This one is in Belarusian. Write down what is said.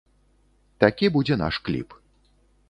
Такі будзе наш кліп.